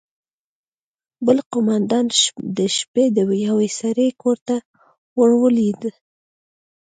بل قومندان د شپې د يوه سړي کور ته ورولوېد.